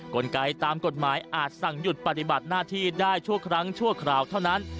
กลไกตามกฎหมายอาจสั่งหยุดปฏิบัติหน้าที่ได้ชั่วครั้งชั่วคราวเท่านั้น